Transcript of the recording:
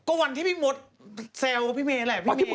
ก็วันที่พี่มดแซวพี่เมย์แหละ